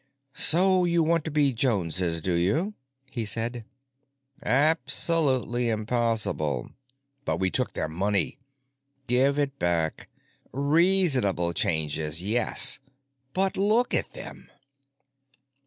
"So you want to be Joneses, do you?" he said. "Absolutely impossible." "But we took their money." "Give it back. Reasonable changes, yes, but look at them!"